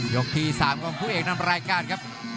ที่๓ของคู่เอกนำรายการครับ